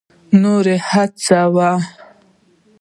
نور هڅوي.